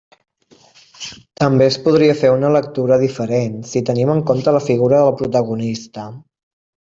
També es podria fer una lectura diferent si tenim en compte la figura del protagonista.